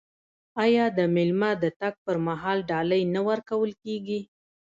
آیا د میلمه د تګ پر مهال ډالۍ نه ورکول کیږي؟